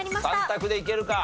３択でいけるか？